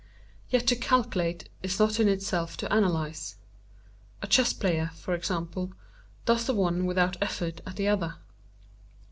Yet to calculate is not in itself to analyse. A chess player, for example, does the one without effort at the other.